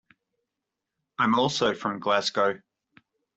I'm also from Glasgow.